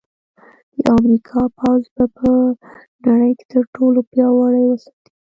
د امریکا پوځ به په نړۍ کې تر ټولو پیاوړی وساتي